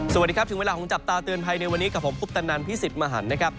สวัสดีครับถึงเวลาของจับตาเตือนภัยในวันนี้กับผมคุปตนันพี่สิทธิ์มหันนะครับ